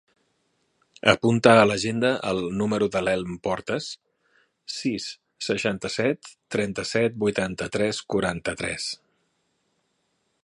Apunta a l'agenda el número de l'Elm Portas: sis, seixanta-set, trenta-set, vuitanta-tres, quaranta-tres.